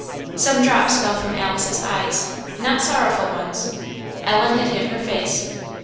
Some drops fell from Alice's eyes, not sorrowful ones; Ellen had hid her face.